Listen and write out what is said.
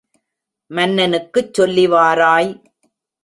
மன்னனுக்குச் சொல்லி வாராய்!